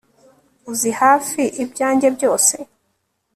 Uzi hafi ibyanjye byose